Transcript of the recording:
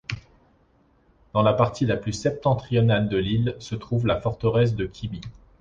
Dans la partie la plus septentrionale de l'île se trouve la forteresse de Kymi.